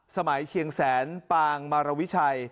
เชียงแสนปางมารวิชัย